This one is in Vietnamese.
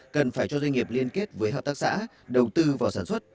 cần phải cho doanh nghiệp liên kết với hợp tác xã đầu tư vào sản xuất